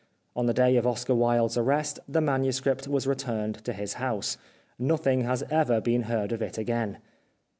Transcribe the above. On the day of Oscar Wilde's arrest, the manuscript was returned to his house. Nothing has ever been heard of it again.